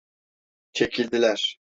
Çekildiler.